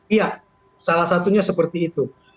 iya salah satunya seperti itu